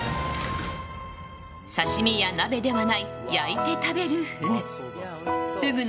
刺し身や鍋ではない焼いて食べるフグ。